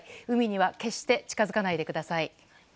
海には決して近づかないでください。